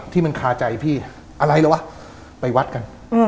ที่มันคาใจพี่อะไรเหรอวะไปวัดกัน